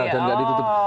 dan gak ditutup